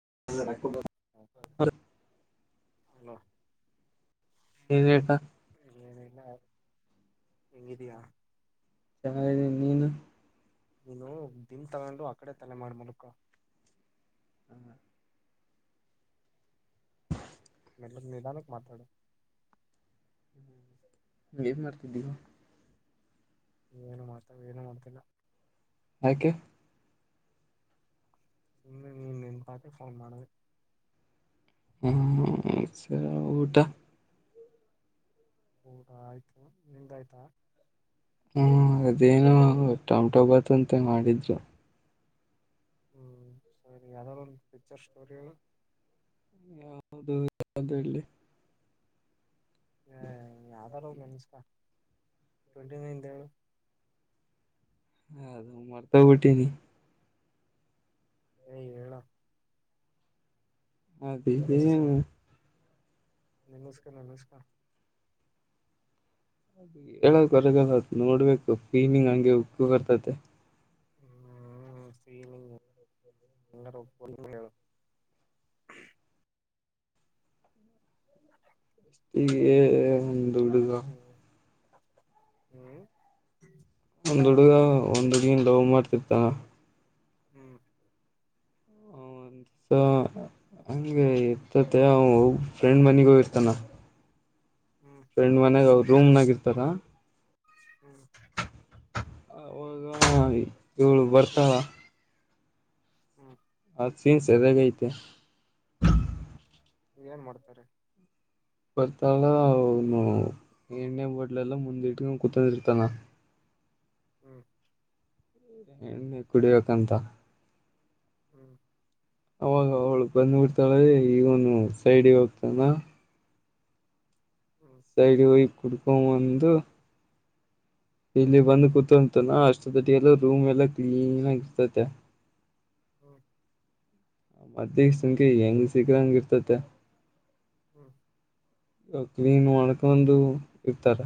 [inaudible] [unintelligible] [unintelligible] ಹೆಂಗಿದಿಯ [unintelligible] ನೀನು ನೀನು ದಿಮ್ ತಗೊಂಡು ಆಕಡೆ ತಲೆ ಮಾಡ್ಬೇಕು. [inaudible] ಸ್ವಲ್ಪ ನಿಧಾನಕ್ಕ ಮಾತಾಡು. ಏನ್ ಮಾಡ್ತಿದಿಯಾ. ಏನು ಮಾತಾವ ಏನು ಮಾಡ್ತಿಲ್ಲ. ಯಾಕೆ. ಇನ್ನು ನೀನ ನೀನು ನೆನಪಾದೆ ಫೋನ್ ಮಾಡ್ದೇ. ಹ್ಮ ಸ ಊಟಾ. ಹೌದಾ ಆಯ್ತು ನಿಂದ ಆಯ್ತಾ. ಹ್ಮ ಅದೇನು ಟಮಾಟೊ ಬಾತ್ ಅಂತ ಮಾಡಿದ್ರು. ಹ್ಮ್ ಸರಿ ಯಾವುದಾದರೊಂದು ಪಿಚರ್ ಸ್ಟೋರಿ ಹೇಳು. ಹೌದು ಯಾವ್ದು ಹೇಳ್ಲಿ. ಹ್ಮ ಯಾವುದಾದರೊಂದು ನೆನಪಿಸ್ಕ. [unintelligible] ಹ ಅದು ಮರ್ತ ಹೋಗಿಬಿಟ್ಟಿನಿ. ಹೇ ಹೇಳೋ. ಅದೇ ದಿನೋ. ನೆನಿಸ್ಕ ನೆನಿಸ್ಕ. ಹೇಳಕ್ [unintelligible] ನೋಡ್ಬೇಕು ಫೀಲಿಂಗ್ ಹಂಗೆ ಉಕ್ಕು ಬರ್ತತೆ. ಹ್ಮ್ ಫೀಲಿಂಗ್ [inaudible] ಹೆಂಗಾರ ಹೇಳು [inaudible] ಹ್ಮ್ [unintelligible] ಹ್ಮ್ ಒಂದ್ ಹುಡುಗ ಒಂದ್ ಹುಡ್ಗಿನ ಲವ್ ಮಾಡ್ತಿತೀರ್ಥನ. ಹ್ಮ್ ಹ್ಹ್ ಒಂದ್. ಸೋ ಹಂಗೆ ಇರ್ತೈತೆ ಅವ ಅವ್ರ ಫ್ರೆಂಡ್ ಮನಿಗೆ ಹೋಗಿರ್ತಾನ. ಹ್ಮ್ ಹ್ಮ್ ಫ್ರೆಂಡ್ ಮನ್ಯಾಗ ಅವರು ರೂಮ್ನಾಗ ಇರ್ತಾರ. ಹ್ಮ್ ಅವಾಗ ಇವಳು ಬರ್ತಾಳ ಹ್ಮ ಅದು ಸೀನ್ ಸಾರ್ಯಗ ಐತೆ ಏನ್ ಮಾಡ್ತಾರೆ. ಬರ್ತಾಳ ಅವನು ಎಣ್ಣೆ ಬಾಟ್ಲೆಲ್ಲ ಮುಂದಿಟ್ಕ ಕುತಿರ್ತಾನ. ಹ್ಮ್ ಏಣ್ಣೆ ಕುಡಿಬೇಕಂತ. ಹ್ಮ್ ಅವಾಗ ಅವಳು ಬಂದ್ಬಿಡ್ತಾಳೆ ಇವನು ಸೈಡ್ಗೆ ಹೋಗ್ತಾನ. ಹ್ಮ್ ಕುಡ್ಕೊಂಡು ಬಂದು. ಇಲ್ಲಿ ಹ್ಮ್ ಬಂದು ಕೂತಂತಾನ ಅಷ್ಟ ಗಟ ಎಲ್ಲ ರೂಮ್ ಎಲ್ಲ ಕ್ಲೀನ್ ಆಗಿರ್ತತೆ ಹ್ಮ ಮದ ಸಂಖ್ಯೆ ಹೆಂಗ್ ಸಿಗ್ರ ಹಂಗ ಇರ್ತತೆ ಹ್ಮ್ ಕ್ಲೀನ್ ಮಾಡಣಕಂದು ಇರ್ತಾರ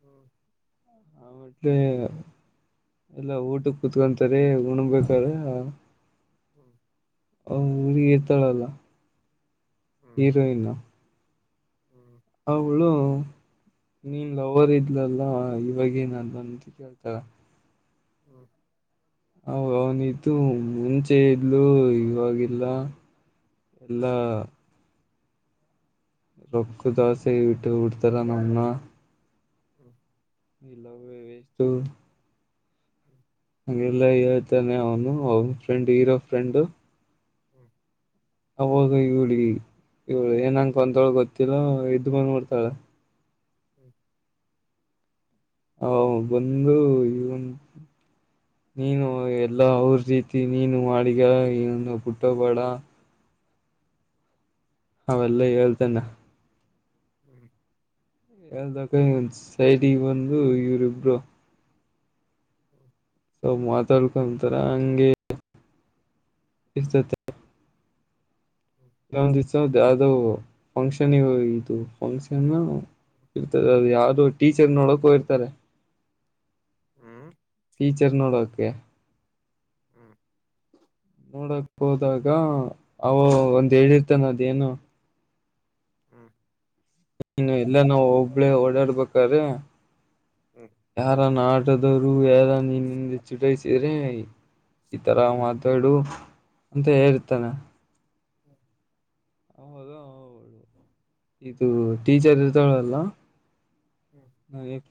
ಹ್ಮ್ ಮಟ್ಲೆ ಎಲ್ಲಾ ಊಟ ಕುೂತ್ಕೊಂತಾರೆ ಉಣಬೇಕಾರ ಹ್ಮ್ ಊರಿ ಇರ್ತಾಳಲ್ಲ ಹೀರೋಯನ್ ಹ್ಮ್ ಹ್ಮ್ ಅವಳು ನೀನ್ ಲ ಅವರ್ ಇದ್ಲಲ್ಲ ಇವಾಗೇಏನಾದ ಅಂತ ಕೇಳ್ತಾರ ಹ್ಮ್ ಹ ಅವನತು ಮುಂಚೆ ಇದ್ಲು ಇವಾಗಿಲ್ಲ ಹ್ಮ್ ಹ್ಮ್ ಹ್ಮ್ ಹ್ಮ್ ಹ್ಮ್ ಹ್ಮ್ ಹ್ಮ್ ಎಲ್ಲಾ ರೊಕ್ಕು ದಾಸೆ ಇಟ್ಟು ಉಡ್ತಾರ ನಮ್ಮನ್ನ ಹ್ಮ ಇಲ್ಲ ವೇಸ್ತು ಹ್ಮ್ ಹಗೆಲ್ಲ ಹೇಳ್ತಾನೆ ಅವನು ಅವನ ಫ್ರೆಂಡ್ ಇರೋ ಫ್ರೆಂಡು ಹ್ಮ್ ಹೋಗ ಇವಳಿ ಇವ್ಳು ಏನಂಗಂತೋಳ ಗೊತ್ತಿಲ್ಲ ಇದ್ದ್ ಬಂದ್ಬಡ್ತಾಳ ಹ್ಮ ಹ ಬಂದು ಇವನ್ ನೀನು ಎಲ್ಲಾ ಅವ್ರ ರೀತಿ ನೀನು ಮಾಡಗ ಈಂದು ಪುಟ್ಟ ಬೇಡ ಅವೆಲ್ಲ ಹೇಳ್ತೇನೆ ಹ್ಮ ಎಲ್ದಕ ಒಂದ ಸೈಡ್ಗೆ ಬಂದು ಇವರಿಬ್ರು ಹ್ಮ್ ಸೊ ಮಾತಾಡ್ಕೊಂತಾರ ಹಂಗೆ ಇ ಒಂದಸೌ ಯಾವ್ದೋ ಫಂಕ್ಷನ್ ಇ ಇದು ಫಂಕ್ಷನ್ ಇರ್ತದ ಅದು ಯಾರ್ದು ಟೀಚರ್ ನೋಡಕೋ ಇರ್ತಾರೆ ಟೀಚರಿನೋಡ ಒಕೆ ಹ್ಮ್ ನೋಡಕ್ ಹೋದಾಗ ಅವೋ ಒಂದ್ ಹೇಳಿರ್ತಾನ ಅದೇಏನು ಹ್ಮ್ ಇ ಎಲ್ಲ ನಾ ಒಬ್ಳೇ ಓಡಾಡ್ಬೇಕ್ರೀ ಯಾರಾನ ಆಟದವರು ಯಾರ ನಿನ್ನಿಂದೆ ಚಿಟಸ ಈ ತರ ಮಾತಾಡು ಅಂತ ಹೇಳ್ತಾನ ಹೌದ ಹದು ಇದು ಟೀಚರ್ ಇರ್ತಲ್ಲ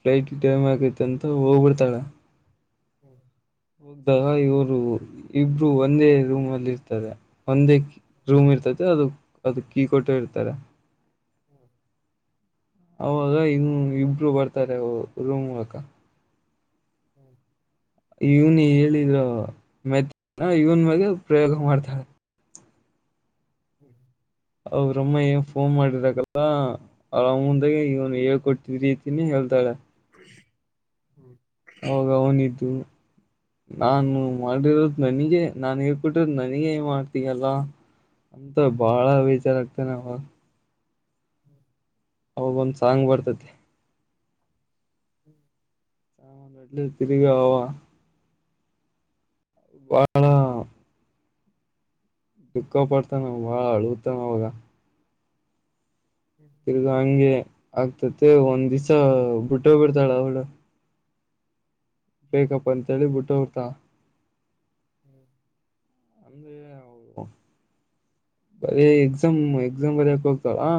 ಫ್ಲೈಟ್ ಟೈಮ್ ಆಗೈತ ಅಂತ ಹೋಗ್ಬಿಡ್ತಾಳ ಹ್ಮ್ ಹೌದಾಗ ಇವರು ಇಬ್ರು ಒಂದೇ ರೂಮ್ಲ್ಲಿ ಇರ್ತಾರೆ ಒಂದೇ ರೂಮ್ ಇರ್ತದೆ ಅದು ಅದು ಕೀ ಕೊಟ್ಟ ಇರ್ತಾರ ಹ್ಮ ಅವಾಗ ಹನ್ನು ಇಬರು ಬರ್ತಾರೆ ರೂಮ್ ಮೂಲಕ ಹ್ಮ ಇವನಿ ಹೇಳಿದ್ರು ಮೆತ್ತ ಇವನ್ ಮಾಗೆ ಪ್ರಯೋಗ ಮಾಡ್ತಾರೆ ಹ್ಮ ಅವ್ರಮ್ಮ ಏನ್ ಫೋನ್ ಮಾಡಿದಕಲ್ಲ ಆರಾಮ್ ಮುಂದಾಗೆ ಇವನು ಹೇಳ್ಕೊಟ್ಟಿದಿತೀನಿ ಹೇಳ್ತಾಳೆ ಹ್ಮ ಹೋಗ ಅವನಿದ್ದು ನಾನು ಮಾಡಿರೋದ ನನಿಗೆ ನಾನ್ ಹೇಳ್ಕಿಟ್ಟಿರೋದ ನನಗ ಮಾಡ್ತೀಯಲ್ಲ ಹಮ ಹ್ಮ್ ಹ್ಮ್ ಬಾಳ ವೇಚಾರಾಗತನೆ ಹ ಹ್ಮ್ ಅವಾಗ ಒಂದ ಸಾಂಗ್ ಬರ್ತತಿ ಹ್ಮ ಹ ತಿರಿಗ ಆ ಬಣ ದುಃಖ ಪಡ್ತಾನ ಬಾಳ ಅಳಗತಾವ ಅವಾಗ ತಿರ್ಗಾ ಹಂಗೆ ಆಗ್ತತೆ ಒಂದ್ ದಿವ್ಸ ಬಿಟ್ಟ್ ಬಿಡ್ತಾಳ ಅವಳ ಬೇಕಪ್ಪ ಅಂತ ಹೇಳಿ ಬಿಟ್ಟು ಹೊರ್ತಾ ಹ್ಮ್ ಹ್ಮ್ ಹ ಬರ ಎಕ್ಸಾಮ್ ಎಕ್ಸಾಮ್ ಬರಕ ಹೋಗ್ತಾರಾ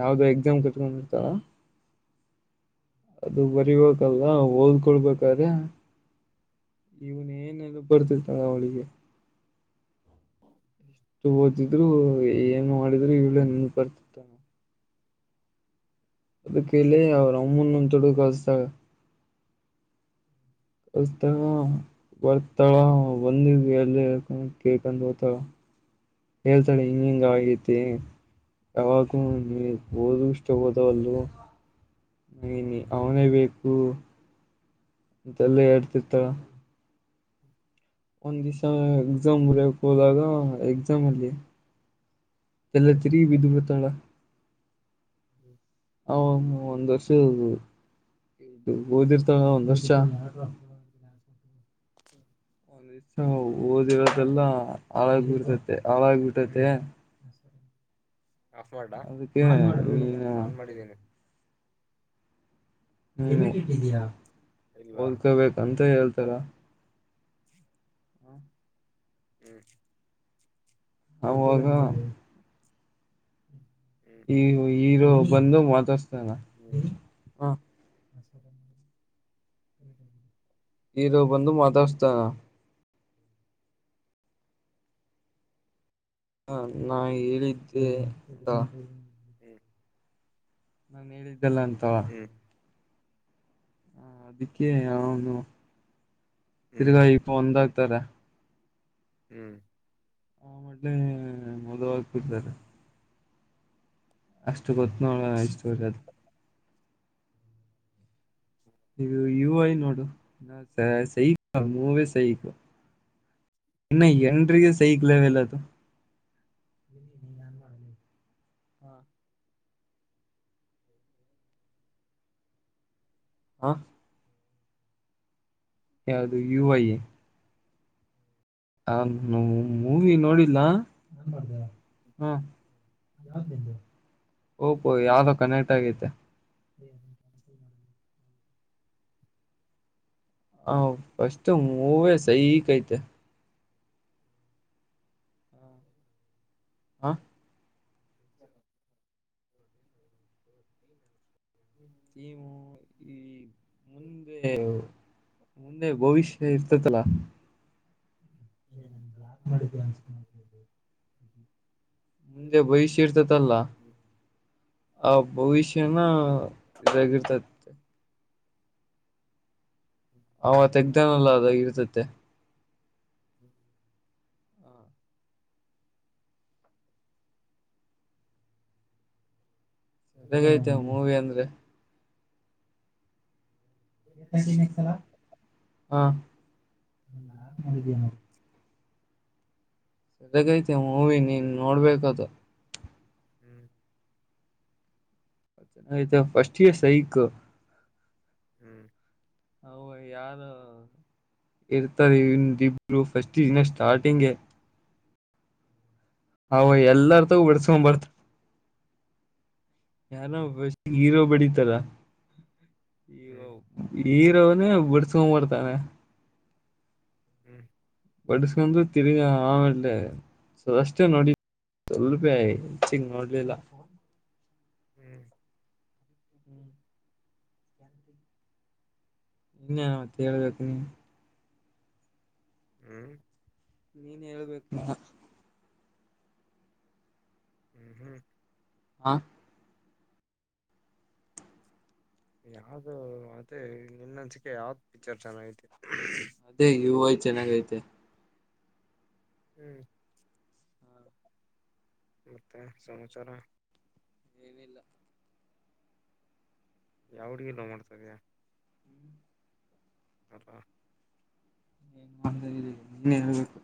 ಯಾವ್ದೋ ಎಕ್ಸಾಮ್ ಕಟ್ಕೊಂಡಿರ್ತಾರ ಅದು ಬರಿಬೇಕಲ್ಲ ಹೋಲ್ಕೊಡ್ಬೇಕಾದ್ರೆ ಇವನ್ ಏನೆಲ್ಲ ಬರ್ತಿತ್ತಳ ಅವಳಿಗೆ ಎಷ್ಟು ಓದಿದ್ರು ಏನ್ ಮಾಡಿದ್ರು ಇವಳೇ ನನ್ ಬರ್ತಿತ್ತ ನಾ ಅದ ಕಲ್ಲ ಅವರು ಅಮ್ಮೊನ್ನುೊ ತೊಡು ಕಸತಾಗ ತ ಬರ್ತಾಳ ಬಂದಿದ ಅಲ್ಲಿ ಕೇಳ್ಕೊಂಡ ಓತಳ ಹೇಳ್ತಾಳೆ ಹಿಂಗ ಹಿಂಗ ಆಗತಿ ಯಾವಾಗೂ ನೀವು ಓದು ಇಷ್ಟ ಹೋದವಲ್ಲ ನನ ಅವನೇ ಬೇಕು ಮಂತಲ್ಲ ಹೇಡ್ತಿತ್ತಳ [unintelligible] ಒಂದ್ ದಿವ್ಸ ಎಕ್ಸಾಮ್ ಬರಯಕ್ ಹೋದಾಗ ಎಕ್ಸಾಮ್ ಅಲ್ಲಿ ಎಲ್ಲ ತಿರಿ ಬೀಧಪರತಳ ಹ ಒಂದ್ ವರ್ಷ ಓದಿರ್ತಾಳ ಒಂದ್ ವರ್ಷ ಒಂದ್ ಓದಿರೋದೆಲ್ಲ ಹಳಾಗ್ ಬಿಡ್ತತೆ ಹಳಾಗಬಟ್ಟತ್ತ ಆಫ್ ಮಾಡ್ಲಾ ಅದಕ್ಕೆ ಆನ್ ಮಾಡಿದ್ದೀನಿ ಇಲ್ಲ ಓದ್ಕೊಬೇಕಂತ ಹೇಳ್ತಾರ ಹ್ಮ್ ಹಾಗ ಹ್ಮ್ ಈ ಈರು ಬಂದು ಮಾತಸ್ತಾನ ಹ್ಮ್ ಹ್ಮ್ ಹ ಇರೋ ಬಂದು ಮಾತಾಡ್ಸ್ತಾನ ಹ ನಾ ಹೇಳಿದ್ದೆಂದಾ ಹ ನಾು ಹೇಳಿದ್ದಲ್ಲ ಅಂತವ ಹ ಅದಕ್ಕೆ ಅವನು ಹ್ಮ್ ತಿರ್ಗಾಾಯಿ ಇಪ್ಪ ಒಂದಾಗಗ್ತಾರ ಹ್ಮ್ ಆ ಮಟ್ಲೆೇ ಮದವಗ್ತಿತಾರೆ ಅಷ್ಟು ಹ್ಮ್ ಗೊತ್ತು ನೋಡಣ ಇಷ್ಟು ಗ ನೀವು ಇವು ಐ ನೋಡು ಸ ಹ ಮೂವ ಸಹಕ್ ಇನ್ನು ಎನ್ಿಗೆ ಸಹಕ್ಲವೆಲ್ಲದು ಹ ಯದು ಯು ಐ ಹ ಮೂವಿ ನೋಡಿಲ್ಲ ಹ್ಮ ಯ ಓಪೋ ಯಾವ್ದೋ ಕನೆಕ್ಟ್ ಆಗೈತೆ [inaudible] ಹ್ಮ್ ಫಸ್ಟ್ ಮೂವಿ ಸೈಕ್ ಐತ್ಯ. ಹ್ಮ್ ಹ್ಮ್. [unintelligible] ನೀವು ಈ ಮುಂದೆ. ಮುಂದೆ ಭವಿಷ್ಯ ಇರ್ತತಲಾ. ಲೆ ನನ್ನ ಬ್ಲಾಕ್ ಮಾಡಿದ್ದ ಅನ್ಸತದ ನೋಡಲೆ ಲೆ. ಅದೇ ಫಿಕ್ಸ್ ಏನ. ತೀರ್ತದಲ್ಲ. ಆ ಭವಿಷ್ಯನ ಅದರಗಿರ್ತದೆ. ಅವ ತೆಗ್ದಾನಲ್ಲ ಅದರಗ ಇರ್ತತ್ತ. ಹ್ಮ. ಚೆನ್ನಾಗಿ ಐತಿ ಮೂವಿ ಅಂದ್ರೆ. ಹಾ ಚೆನ್ನಾಗಿ ಐತಿ ಮೂವಿ ನೀನ ನೋಡಬೇಕ ಅದು. ಹ್ಮ್. ತುಂಬಾ ಚೆನ್ನಾಗಿ ಐತಿ ಫಸ್ಟ್ ಗೆ ಸೈಕ್. ಹ್ಮ್. ಅವ ಯಾರೋ. ಇರ್ತಾರೆ ಇಂದಿಬ್ರು ಫಸ್ಟಗೆ ಇನ್ನ ಸ್ಟಾರ್ಟಿಂಗೆ. ಅವ ಎಲ್ಲಾರ ಹತ್ತಿರ ಬಿಡಸಕೊಂಡು ಬರ್ತನ. ಯಾರೋ ಫಸ್ಟ್ ಗೆ ಹೀರೋ ಬಡಿತಾರ. ಇವ ಹೀರೊವನೇ ಬಿಡಸಕೊಂಡು ಬರ್ತಾನೆ. ಹ್ಮ್. ಬಡಸಕೊಂಡು ತಿಳಗ ಆಮೇಲೆ ಸದಷ್ಟೇ ನೋಡಿ. ಸ್ವಲ್ಪೆ ಹೆಚ್ಚಿಗೆ ನೋಡಲಿಲ್ಲ. ಹ್ಮ್. ಹ್ಮ್. ಇನ್ನ ಏನ ಮತ ಹೇಳಬೇಕು ನೀ. ಹ್ಮ್. ನೀನ್ ಹೇಳಬೇಕು ಇನ್ನ. ಹ್ಮ್ ಹ್ಮ್. ಹಂ. ಯಾವದ ಮತ್ತೇ ನಿನ್ನ ಅನ್ಸಿಕೆ ಯಾವದ ಪಿಕ್ಚರ್ ಚೆನ್ನಾಗೈತಿ. ಅದೇ ಯು ಐ ಚೆನ್ನಾಗೈತೆ ಹ್ಮ್. ಮತ್ತೆ ಸಮಾಚಾರ. ಏನಿಲ್ಲ ಯಾವ ಹುಡುಗಿನ ಲವ್ ಮಾಡುತ ಇದೀಯಾ. ಇಲ್ಲಪ. ಏನ ಮಾಡುತ್ತಾ ಇದೀರಿ ನೀನೇ ಹೇಳಬೇಕು.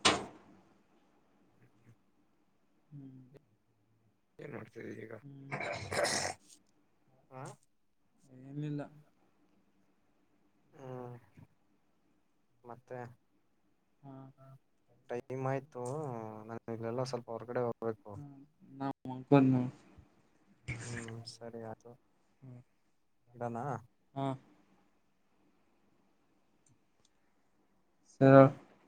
ಹ್ಮ್. ಏನ್ ಮಾಡತಾ ಇದೀರಿ ಈಗ. ಏನಿಲ್ಲ. ಹ್ಮ್ ಮತ್ತೆ. ಹ ಟೈಮ್ ಆಯ್ತು ನಾನು ಇಲ್ಲಲ್ಲ ಸ್ವಲ್ಪ ಹೊರಗಡೆ ಹೋಗ. ಹ್ಮ್ ನಾನು ಮಲ್ಕಾಂತಿನಿ ಹೇಳ. ಹ್ಮ್ ಸರಿ ಆಯ್ತು ಇಡೋಣ. ಹ್ಮ್. ಸರಿ.